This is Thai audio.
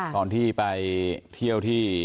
ตอนที่ไปเที่ยวที่